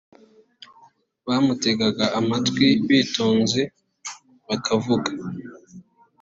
bamutegaga amatwi bitonze bakavuga